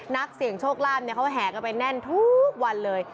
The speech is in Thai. นักเสี่ยงโชคลาภเขาแห่กันไปแน่นทุกวันเลย